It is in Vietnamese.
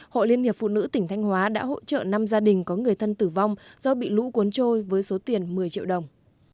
hội liên hiệp phụ nữ tỉnh thanh hóa đã hỗ trợ năm gia đình có người thân tử vong do bị lũ cuốn trôi với số tiền một mươi triệu đồng